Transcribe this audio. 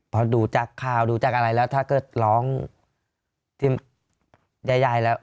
พอดูจากข่าวดูจากอะไรแล้วถ้าเกิดร้องที่ใหญ่แล้ว